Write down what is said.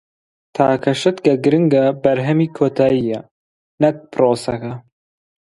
تاکە شت کە گرنگە بەرهەمی کۆتایییە نەک پرۆسەکە.